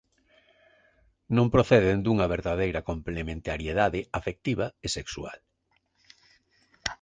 Non proceden dunha verdadeira complementariedade afectiva e sexual.